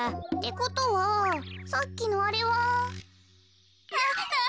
ってことはさっきのあれは。